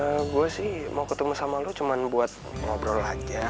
ya gue sih mau ketemu sama lo cuma buat ngobrol aja